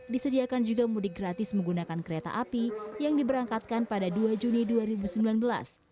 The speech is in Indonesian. disediakan juga mudik gratis menggunakan kereta api yang diberangkatkan pada dua juni dua ribu sembilan belas